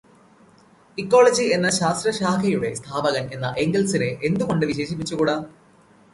Ecology എന്ന ശാസ്ത്രശാഖയുടെ സ്ഥാപകൻ എന്ന് എംഗൽസിനെ എന്തുകൊണ്ട് വിശേഷിപ്പിച്ചുകൂട?